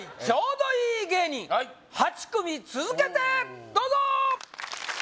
ちょうどいい芸人８組続けてどうぞ！